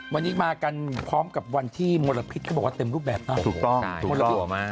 วันนี้มากันพร้อมกับวันที่มลพิษเขาบอกว่าเต็มรูปแบบมากถูกต้องมลบมาก